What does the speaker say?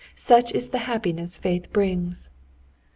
Such is the happiness faith brings!"